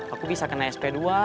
aku bisa kena sp dua